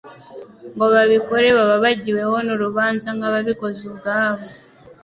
ngo babikore baba bagiweho n'urubanza nk'ababikoze ubwabo.